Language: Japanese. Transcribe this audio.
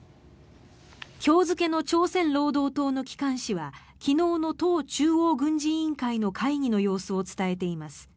今日付の朝鮮労働党の機関紙は昨日の党中央軍事委員会の会議の様子を伝えています。